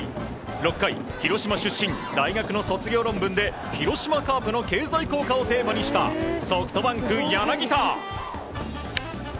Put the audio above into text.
６回、広島出身大学の卒業論文で「広島カープの経済効果」をテーマにしたソフトバンク、柳田。